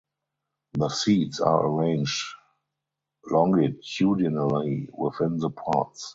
The seeds are arranged longitudinally within the pods.